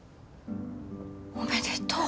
おめでとう。